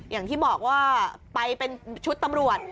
อย่างที่บอกว่าไปเป็นชุดตำรวจ